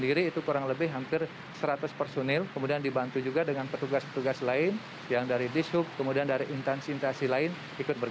dengan kedalaman tiga belas km